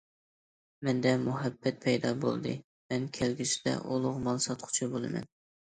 مەندە مۇھەببەت پەيدا بولدى، مەن كەلگۈسىدە ئۇلۇغ مال ساتقۇچى بولىمەن.